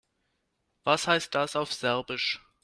Was heißt das auf Serbisch?